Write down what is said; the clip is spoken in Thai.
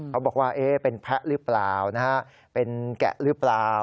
เขาบอกว่าเป็นแพะหรือเปล่านะฮะเป็นแกะหรือเปล่า